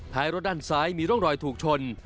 ท้ายรถด้านซ้ายมีร่องรอยถูกชน